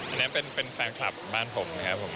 อันนี้เป็นแฟนคลับบ้านผมนะครับผม